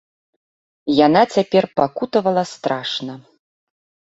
Яна цяпер пакутавала страшна.